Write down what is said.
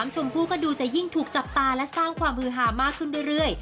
ชมพู่ก็ดูจะยิ่งถูกจับตาและสร้างความฮือฮามากขึ้นเรื่อย